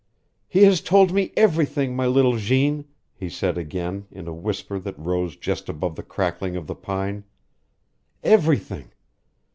"He has told me everything, my little Jeanne," he said again, in a whisper that rose just above the crackling of the pine. "Everything.